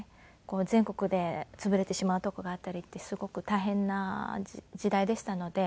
全国で潰れてしまう所があったりってすごく大変な時代でしたので。